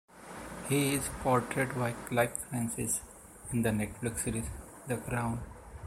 He is portrayed by Clive Francis in the Netflix series "The Crown".